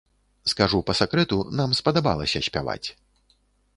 Скажу па сакрэту, нам спадабалася спяваць.